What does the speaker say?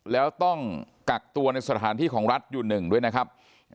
แล้วต้องกักตัวในสถานที่ของรัฐอยู่หนึ่งด้วยนะครับ